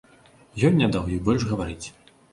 Ён не даў ёй больш гаварыць.